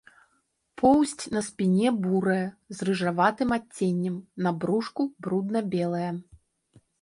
Поўсць на спіне бурая, з рыжаватым адценнем, на брушку брудна белая.